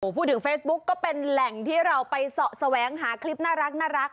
เฟซบุ๊กก็เป็นแหล่งที่เราไปเสาะแสวงหาคลิปน่ารัก